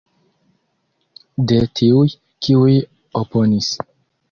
De tiuj, kiuj oponis.